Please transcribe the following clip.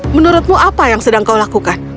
menurutmu apa yang sedang kau lakukan